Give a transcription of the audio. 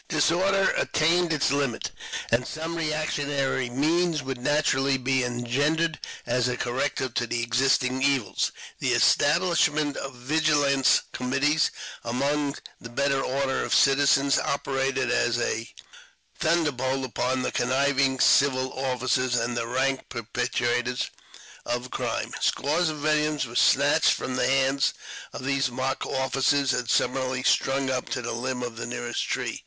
Disorder attained its limit, and some reactionary means would naturally be engendered as a corrective to the existing evils. The establishment of " Vigilaruje Committees " among the better order of citizens operated as a thunderbolt upon the conniving civil officers and the rank perpetrators of crime. ; Scores of villains were snatched from the hands of these mock officers, and summarily strung up to the limb of the nearest tree.